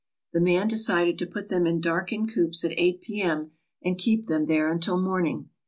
The man decided to put them in darkened coops at 8 P. M. and keep them there until morning.